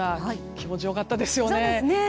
気持ちよかったですね。